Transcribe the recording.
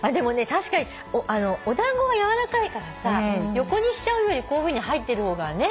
確かにお団子が軟らかいからさ横にしちゃうよりこういうふうに入ってる方がね。